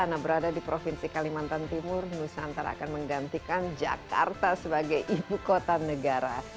nah berada di provinsi kalimantan timur nusantara akan menggantikan jakarta sebagai ibu kota negara